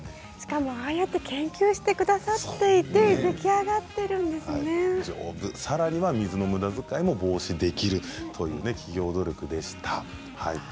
ああやって研究してくださっていて丈夫でさらには水のむだづかいも防止できるという企業努力でした。